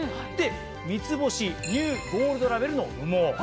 ３つ星ニューゴールドラベルの羽毛。